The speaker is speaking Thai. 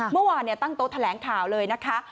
เมื่อวานตั้งโต๊ะแถลงข่าวเลยนะคะ